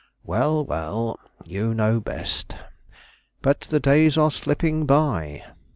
"Well, well; you know best. But the days are slipping by.